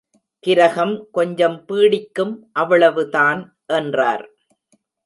கிரகம் கொஞ்சம் பீடிக்கும் அவ்வளவு தான்! என்றார்.